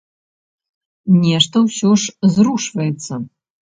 Нешта ўсё ж зрушваецца.